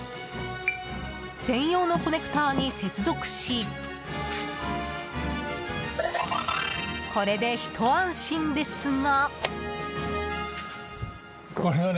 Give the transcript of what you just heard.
専用のコネクターに接続しこれで、ひと安心ですが。